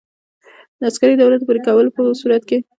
د عسکري دورې د پوره کولو په صورت کې.